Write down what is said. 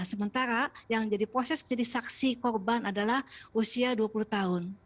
sementara yang jadi proses menjadi saksi korban adalah usia dua puluh tahun